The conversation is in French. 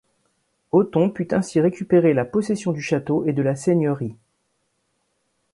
Othon put ainsi récupéré la possession du château et de la seigneurie.